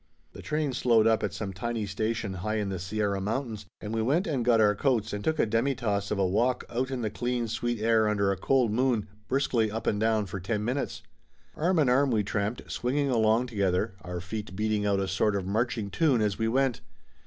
The train slowed up at some tiny station high in the Sierra Mountains, and we went and got our coats and took a demi tasse of a walk out in the clean sweet Laughter Limited 71 air under a cold moon, briskly up and down for ten minutes. Arm in arm we tramped, swinging along together, our feet beating out a sort of marching tune as we went.